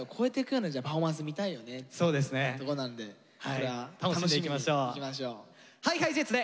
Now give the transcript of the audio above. これは楽しみにいきましょう。ＨｉＨｉＪｅｔｓ